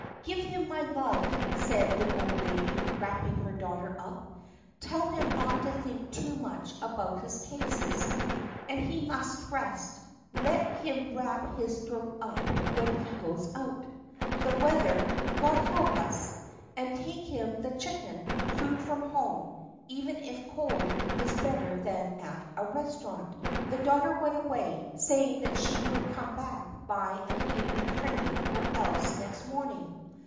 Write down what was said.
"Give him my love," said the old lady, wrapping her daughter up. "Tell him not to think too much about his cases. ... And he must rest. Let him wrap his throat up when he goes out: the weather God help us! And take him the chicken; food from home, even if cold, is better than at a restaurant." The daughter went away, saying that she would come back by an evening train or else next morning.